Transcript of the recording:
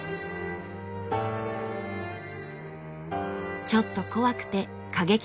ちょっと怖くて過激なイメージ。